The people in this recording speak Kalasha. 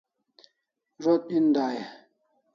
Zo't en dai e ?